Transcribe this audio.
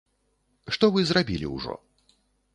Што вы зрабілі ўжо?